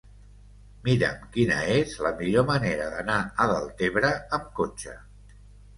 Mira'm quina és la millor manera d'anar a Deltebre amb cotxe.